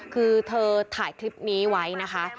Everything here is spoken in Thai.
คือเธอถ่ายคลิปนี้ไว้นะคะ